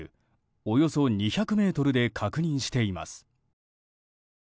およそ２００ｍで確認しています。